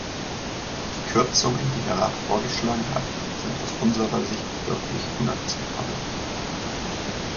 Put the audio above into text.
Die Kürzungen, die der Rat vorgeschlagen hat, sind aus unserer Sicht wirklich unakzeptabel.